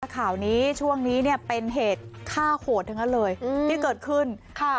ข่าวนี้ช่วงนี้เนี่ยเป็นเหตุฆ่าโหดทั้งนั้นเลยอืมที่เกิดขึ้นค่ะ